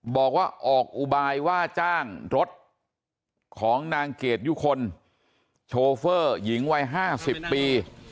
บอกว่าออกอุบายว่าจ้างรถของนางเกดยุคลโชเฟอร์หญิงวัย๕๐ปี